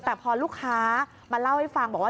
แต่พอลูกค้ามาเล่าให้ฟังบอกว่า